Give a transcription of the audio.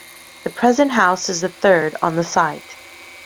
The present house is the third on the site.